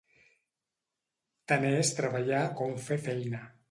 Tant és treballar com fer feina.